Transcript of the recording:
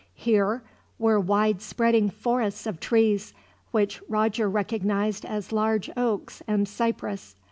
Here were wide spreading forests of trees, which Roger recognized as large oaks and cypress.